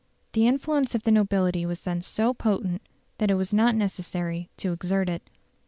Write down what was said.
The influence of the nobility was then so potent, that it was not necessary to exert it.